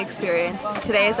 dan penonton menikmati